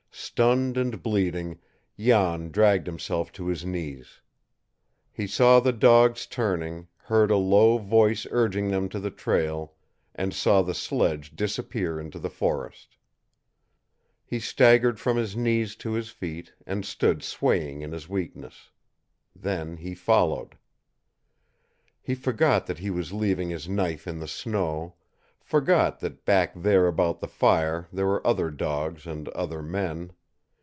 Stunned and bleeding, Jan dragged himself to his knees. He saw the dogs turning, heard a low voice urging them to the trail, and saw the sledge disappear into the forest. He staggered from his knees to his feet, and stood swaying in his weakness. Then he followed. He forgot that he was leaving his knife in the snow, forgot that back there about the fire there were other dogs and other men.